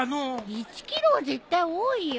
１ｋｇは絶対多いよ。